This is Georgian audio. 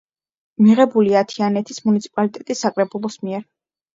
მიღებულია თიანეთის მუნიციპალიტეტის საკრებულოს მიერ.